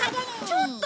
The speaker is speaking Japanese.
ちょっと！